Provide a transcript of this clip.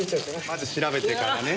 まず調べてからね。